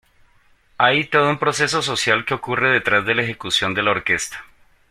Hay todo un proceso social que ocurre detrás de la ejecución de la orquesta.